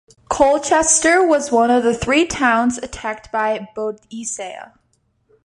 Colchester was one of the three towns attacked by Boadicea.